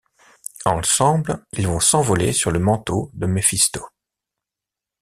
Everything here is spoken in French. Ensemble ils vont s’envoler sur le manteau de Méphisto.